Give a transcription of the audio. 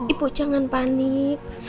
ibu jangan panik